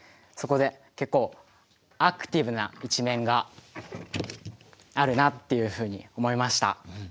そこで結構アクティブな一面があるなっていうふうに思いました。